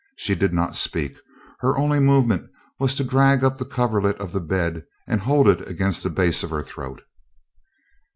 She did not speak; her only movement was to drag up the coverlet of the bed and hold it against the base of her throat.